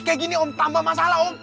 kayak gini om tambah masalah om